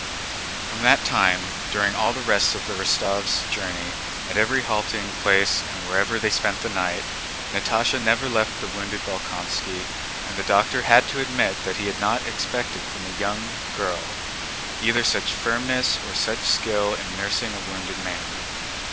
From that time, during all the rest of the Rostóvs' journey, at every halting place and wherever they spent a night, Natásha never left the wounded Bolkónski, and the doctor had to admit that he had not expected from a young girl either such firmness or such skill in nursing a wounded man.